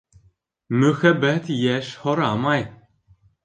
Мөхәббәт йәш һорамай.